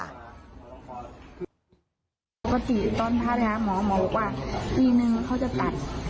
ปกติต้นพระภาคหมอลูกปีหนึ่งเขาจะตัด